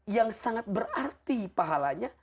yang sangat berarti pahalanya